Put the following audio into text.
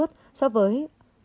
so với những người tiêm mũi thứ tư